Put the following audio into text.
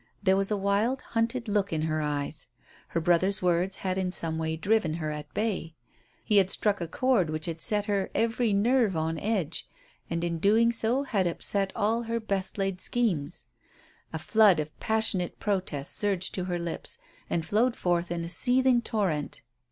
There was a wild, hunted look in her eyes. Her brother's words had in some way driven her at bay. He had struck a chord which had set her every nerve on edge, and in doing so had upset all his best laid schemes. A flood of passionate protest surged to her lips and flowed forth in a seething torrent.